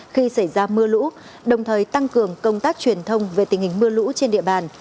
khi xảy ra mưa lũ đồng thời tăng cường công tác truyền thông về tình hình mưa lũ trên địa bàn